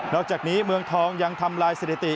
อกจากนี้เมืองทองยังทำลายสถิติ